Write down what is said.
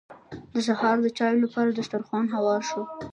د سهار د چايو لپاره دسترخوان هوار شو.